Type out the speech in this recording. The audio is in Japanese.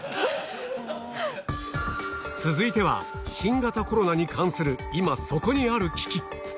続いては、新型コロナに関する今そこにある危機。